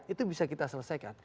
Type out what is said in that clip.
itu bisa kita selesaikan